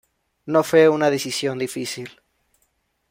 No fue una decisión difícil.